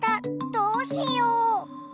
どうしよう！